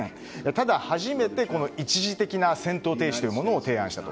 ただ、初めて一時的な戦闘停止というものを提案したと。